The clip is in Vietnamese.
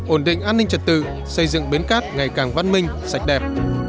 ổn định an ninh trật tự xây dựng bến cát ngày càng văn minh sạch đẹp